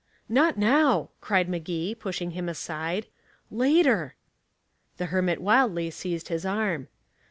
"Not now," cried Magee, pushing him aside. "Later." The hermit wildly seized his arm.